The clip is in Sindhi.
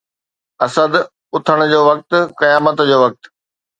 اسد! اٿڻ جو وقت ، قيامت جو وقت